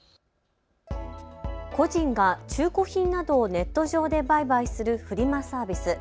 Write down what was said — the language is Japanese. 個人が中古品などをネット上で売買するフリマサービス。